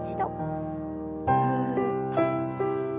ふっと。